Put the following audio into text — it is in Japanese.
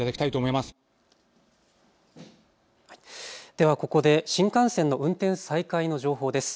ではここで新幹線の運転再開の情報です。